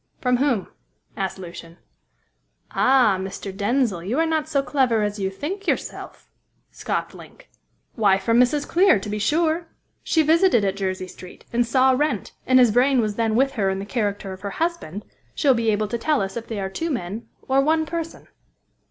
"From whom?" asked Lucian. "Ah, Mr. Denzil, you are not so clever as you think yourself," scoffed Link. "Why, from Mrs. Clear, to be sure. She visited at Jersey Street, and saw Wrent, and as Vrain was then with her in the character of her husband, she'll be able to tell us if they are two men or one person."